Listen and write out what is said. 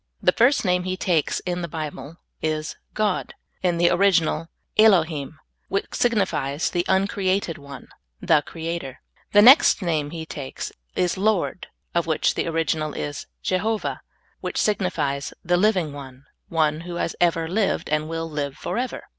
The first name He takes in the Bible is God, in the original Elohim, which sig nifies the uncreated One — the Creator. The next name He takes is Lord, of which the original is Jehovah, which signifies the living One, One who has ever lived ind will live forever.